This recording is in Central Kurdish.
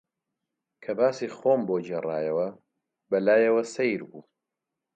کە باسی خۆم بۆ گێڕایەوە، بە لایەوە سەیر بوو